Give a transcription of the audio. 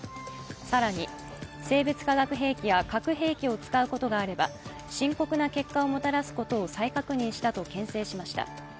更に生物化学兵器や核兵器を使うことがあれば深刻な結果をもたらすことを再確認したとけん制しました。